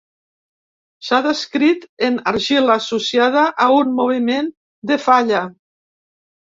S'ha descrit en argila associada a un moviment de falla.